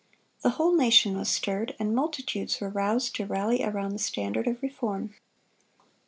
The whole nation was stirred, and multitudes were roused to rally around the standard of reform.